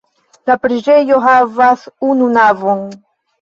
La preĝejo havas unu navon.